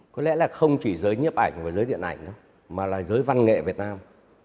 có lẽ là không chỉ giới nhiệm ảnh và giới điện ảnh mà là giới văn nghệ việt nam